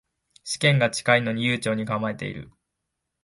試験が近いのに悠長に構えてる